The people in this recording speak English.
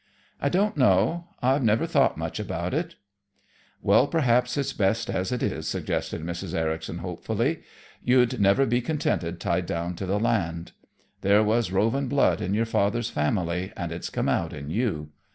"I don't know. I've never thought much about it." "Well, perhaps it's best as it is," suggested Mrs. Ericson hopefully. "You'd never be contented tied down to the land. There was roving blood in your father's family, and it's come out in you.